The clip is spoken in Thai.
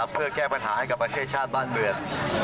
เพื่อแก้ปัญหาให้กับประเทศชาติบ้านเมือง